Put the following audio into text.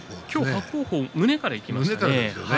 伯桜鵬は胸からいきましたね。